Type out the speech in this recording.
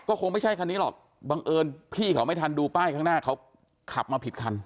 คงไม่ใช่คันนี้หรอกบังเอิญพี่เขาไม่ทันดูป้ายข้างหน้าเขาขับมาผิดคัน